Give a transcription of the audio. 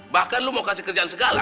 bahkan lu mau kasih kerjaan segala